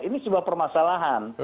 ini sebuah permasalahan